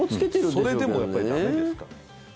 それでもやっぱり駄目ですか？